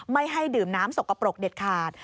ไม่ให้ดื่มน้ำสกปรกเด็ดขาด